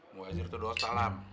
mubazir itu doa salam